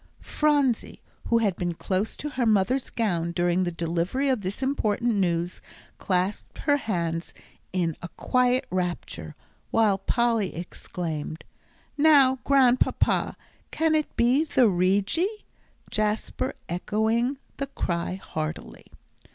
Phronsie, who had been close to her mother's gown during the delivery of this important news, clasped her hands in a quiet rapture, while Polly exclaimed, "Now, Grandpapa, can it be the Rigi?" Jasper echoing the cry heartily.